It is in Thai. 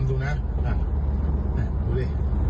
ดูนะน่ะน่ะดูดิ